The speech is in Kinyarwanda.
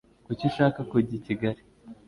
Kuki ushaka kujya i kigali?